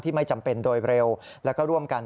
ที่ไม่จำเป็นโดยเร็วและร่วมการ